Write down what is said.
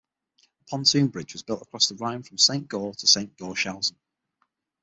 A pontoon bridge was built across the Rhine from Saint Goar to Saint Goarshausen.